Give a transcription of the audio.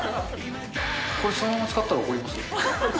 これ、そのまま使ったら怒ります？